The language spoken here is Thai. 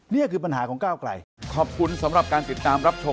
นี่คือปัญหากับก้าวไกร